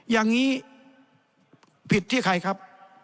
อย่างนี้ผิดที่ใครครับ